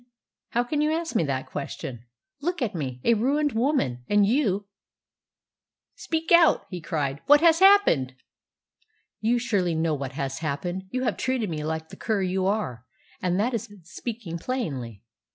How can you ask me that question? Look at me a ruined woman! And you " "Speak out!" he cried. "What has happened?" "You surely know what has happened. You have treated me like the cur you are and that is speaking plainly.